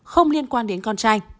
không liên quan đến con trai